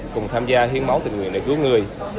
cùng tham gia hiến máu tình nguyện để cứu người